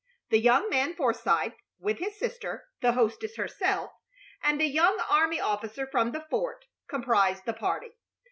The young man Forsythe, with his sister, the hostess herself, and a young army officer from the fort, comprised the party.